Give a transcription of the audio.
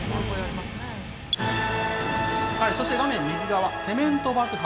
そして画面右側、セメント爆破。